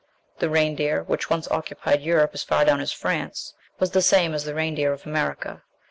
The reindeer, which once occupied Europe as far down as France, was the same as the reindeer of America.